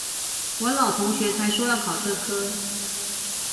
我老同學才說要考這科